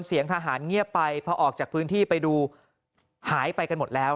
เสียงทหารเงียบไปพอออกจากพื้นที่ไปดูหายไปกันหมดแล้ว